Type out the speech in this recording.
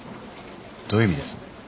どういう意味です？